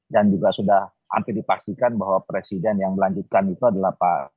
dan juga sudah hampir dipastikan bahwa presiden yang melanjutkan itu adalah pak